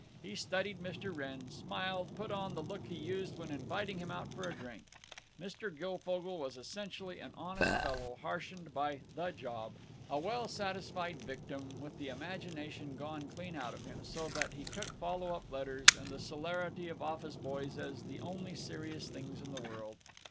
He studied Mr. Wrenn, smiled, put on the look he used when inviting him out for a drink. Mr. Guilfogle was essentially an honest fellow, harshened by The Job; a well satisfied victim, with the imagination clean gone out of him, so that he took follow up letters and the celerity of office boys as the only serious things in the world.